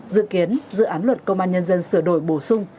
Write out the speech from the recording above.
dự kiến dự án luật công an nhân dân sửa đổi bổ sung